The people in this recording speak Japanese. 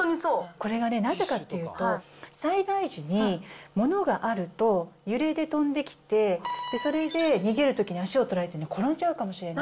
これはね、なぜかっていうと、災害時に、物があると揺れで飛んできて、それで逃げるときに足を取られて転んじゃうかもしれない。